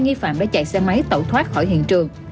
nghi phạm đã chạy xe máy tẩu thoát khỏi hiện trường